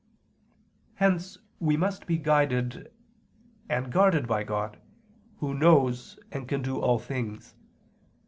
Hence we must be guided and guarded by God, Who knows and can do all things.